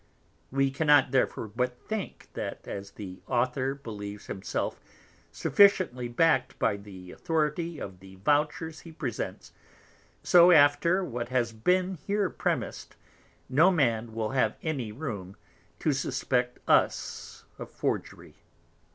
We cannot therefore but think, that as the Author believes himself sufficiently back'd by the Authority of the Vouchers he presents, so after what has been here premis'd, no Man will have any room to suspect us of Forgery.